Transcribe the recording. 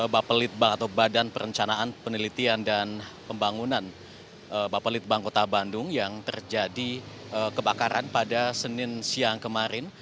bapelitbang atau badan perencanaan penelitian dan pembangunan bapelitbang kota bandung yang terjadi kebakaran pada senin siang kemarin